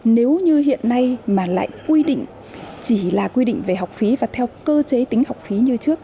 nếu như hiện nay mà lại quy định chỉ là quy định về học phí và theo cơ chế tính học phí như trước